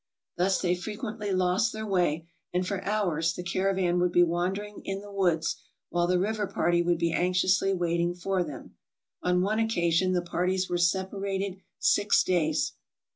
Thus they frequently lost their way, and for hours the caravan would be wandering in the woods while the river party would be anxiously waiting for them. On one occasion the parties were separated six days.